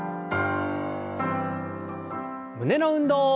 胸の運動。